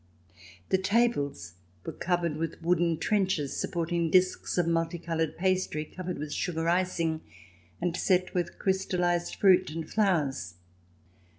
The tables were covered with wooden trenchers, supporting discs of multicoloured pastry covered with sugar icing, and set with crystallized fruit and flowers.